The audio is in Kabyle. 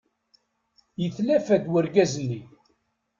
Yetlafa-d urgaz-nni.